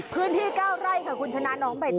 พื้นที่๙ไร่ค่ะคุณชนะน้องใบตอ